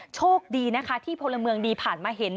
โชคดีนะคะที่พลเมืองดีผ่านมาเห็น